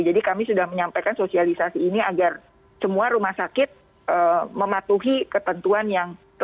jadi kami sudah menyampaikan sosialisasi ini agar semua rumah sakit mematuhi ketentuan yang telah ditetapkan